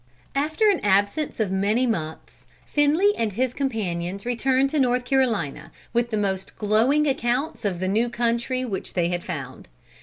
After an absence of many months, Finley and his companions returned to North Carolina, with the most glowing accounts of the new country which they had found.